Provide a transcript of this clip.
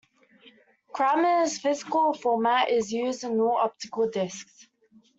Kramer's physical format is used in all optical discs.